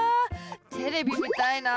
テレビ見たいな。